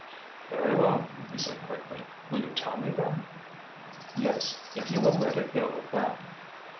"Very well," he said quickly. "Will you tell me then?" "Yes if you will let it go at that."